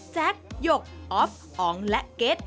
แจ๊กหยกออฟอองและเก็ต